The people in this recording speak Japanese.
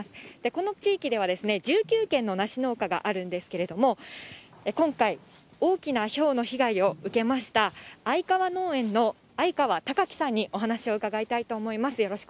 この地域ではですね、１９軒のなし農家があるんですけれども、今回、大きなひょうの被害を受けました、相川農園の相川崇樹さんにお話を伺いたいと思います。